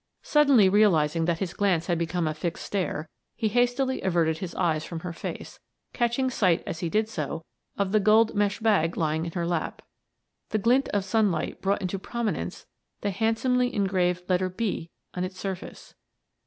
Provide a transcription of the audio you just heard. Suddenly realizing that his glance had become a fixed stare, he hastily averted his eyes from her face, catching sight, as he did so, of the gold mesh bag lying in her lap. The glint of sunlight brought into prominence the handsomely engraved letter "B" on its surface.